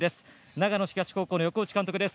長野東高校の横打監督です。